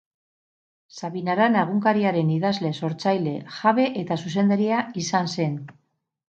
Sabin Arana egunkariaren idazle, sortzaile, jabe eta zuzendaria izan zen.